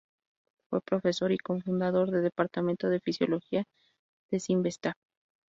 Fue profesor y cofundador de Departamento de Fisiología del Cinvestav.